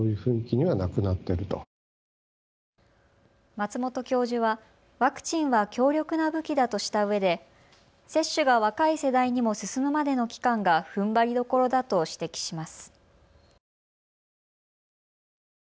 松本教授はワクチンは強力な武器だとしたうえで接種が若い世代にも進むまでの期間がふんばりどころだと指摘します。